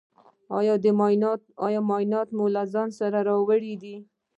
ایا معاینات مو له ځان سره راوړي دي؟